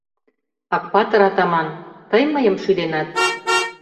Акпатыр-атаман, тый мыйым шӱденат?